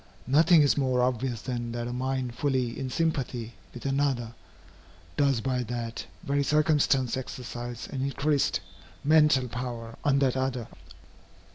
Nothing is more obvious than that a mind fully in sympathy with another, does by that very circumstance exercise an increased mental power on that other.